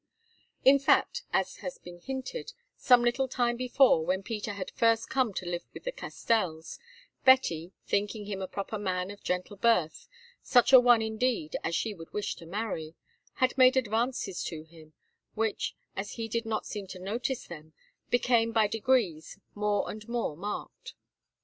In fact, as has been hinted, some little time before, when Peter had first come to live with the Castells, Betty, thinking him a proper man of gentle birth, such a one indeed as she would wish to marry, had made advances to him, which, as he did not seem to notice them, became by degrees more and more marked.